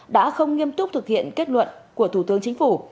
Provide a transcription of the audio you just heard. đã không nghiêm túc thực hiện kết luận của thủ tướng chính phủ